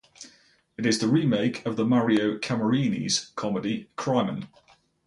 It is the remake of the Mario Camerini's comedy "Crimen".